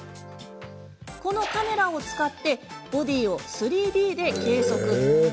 このカメラを使ってボディーを３Ｄで計測。